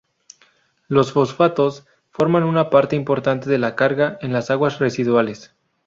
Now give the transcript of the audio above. Los fosfatos forman una parte importante de la carga en las aguas residuales.